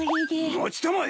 待ちたまえ。